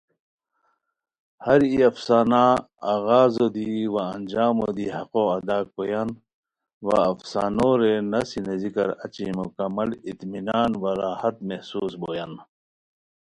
ہر ای افسانہ آغازو دی و انجامو دی حقو ادا کویان و افسانو رے نسی نیزیکار اچی مکمل اطمنان و راحت محسوس بویان